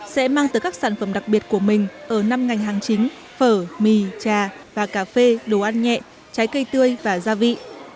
sẽ mang tới các sản phẩm đặc biệt của mình ở năm ngành hàng chính phở mì trà và cà phê đồ ăn nhẹ trái cây tươi và gia vị